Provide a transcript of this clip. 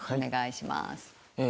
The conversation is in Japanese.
お願いします。